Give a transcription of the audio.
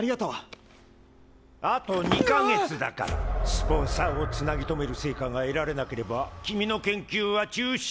スポンサーをつなぎ止める成果が得られなければ君の研究は中止。